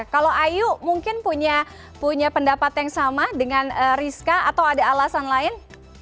kalau ayu mungkin punya pendapat yang sama dengan rizka atau ada alasan lain